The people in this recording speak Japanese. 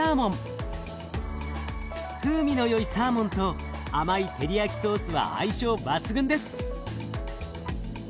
風味のよいサーモンと甘いテリヤキソースは相性抜群です。